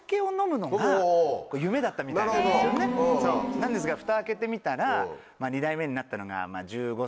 何ですがふたを開けてみたら２代目になったのが１５歳の。